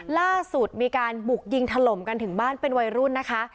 ล่าสุดมีการบุกยิงถล่มกันถึงบ้านเป็นวัยรุ่นนะคะ